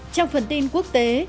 trong phần tin quốc tế